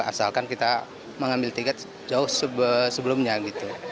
asalkan kita mengambil tiket jauh sebelumnya gitu